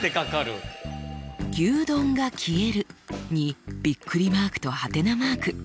「牛丼が消える」にびっくりマークとはてなマーク。